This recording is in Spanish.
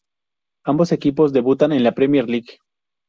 Ambos equipos debutan en la Premijer Liga.